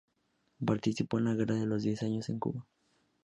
Participó en la Guerra de los Diez Años en Cuba.